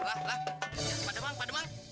wah pada mang pada mang